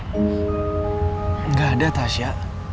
enggak ada tasya